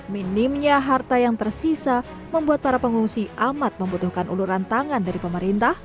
minimnya harta yang tersisa membuat para pengungsi amat membutuhkan uluran tangan dari pemerintah